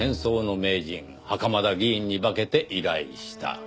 袴田議員に化けて依頼した。